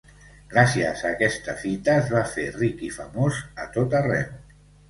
Gràcies a aquesta fita es va fer ric i famós a tot arreu.